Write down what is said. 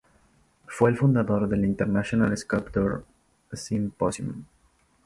Fue el fundador del International Sculpture Symposium.